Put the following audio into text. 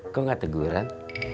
kok gak teguran